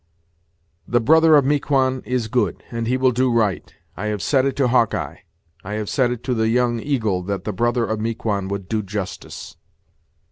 "The brother of Miquon is good, and he will do right. I have said it to Hawk eye I have said it to the Young Eagle that the brother of Miquon would do justice."